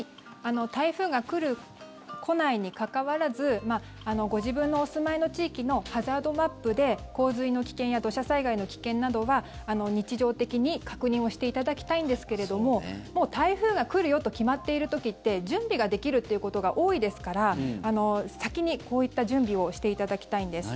台風が来る、来ないにかかわらずご自分のお住まいの地域のハザードマップで洪水の危険や土砂災害の危険などは日常的に確認をしていただきたいんですけれどももう台風が来るよと決まっている時って準備ができるということが多いですから先にこういった準備をしていただきたいんです。